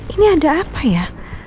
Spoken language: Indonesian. ini ada apa ya